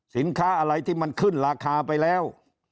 สินค้าอะไรที่มันขึ้นราคาไปแล้ว